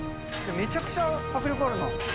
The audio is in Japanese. めちゃくちゃ迫力あるな。